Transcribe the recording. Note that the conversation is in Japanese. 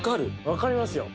分かりますよ